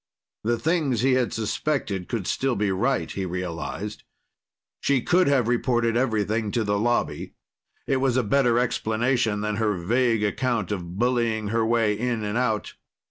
The things he had suspected could still be right, he realized. She could have reported everything to the Lobby. It was a better explanation than her vague account of bullying her way in and out.